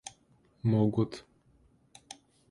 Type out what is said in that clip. могут